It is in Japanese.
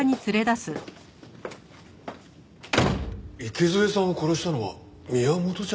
池添さんを殺したのは宮本じゃない？